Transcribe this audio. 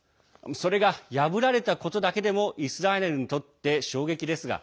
それが破られたことだけでもイスラエルにとって衝撃ですが